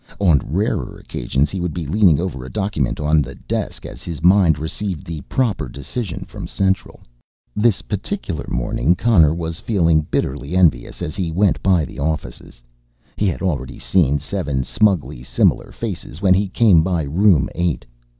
On rarer occasions he would be leaning over a document on the desk as his mind received the proper decision from Central. This particular morning Connor was feeling bitterly envious as he went by the offices. He had already seen seven smugly similar faces when he came by Room Eight.